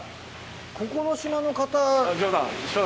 ここの島の方。